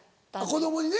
子供にね。